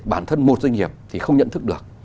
bản thân một doanh nghiệp thì không nhận thức được